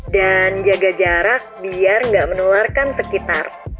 dan jaga jarak biar gak menularkan sekitar